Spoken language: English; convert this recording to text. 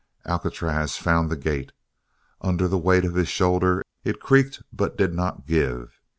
Alcatraz found the gate. Under the weight of his shoulder it creaked but did not give.